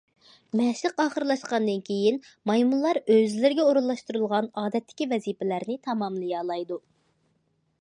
مەشىق ئاخىرلاشقاندىن كىيىن، مايمۇنلار ئۆزلىرىگە ئورۇنلاشتۇرۇلغان ئادەتتىكى ۋەزىپىلەرنى تاماملىيالايدۇ.